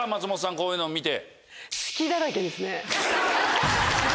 こういうのを見て。